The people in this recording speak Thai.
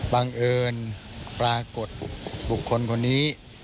บังเอิญปรากฏบุคคลคนนี้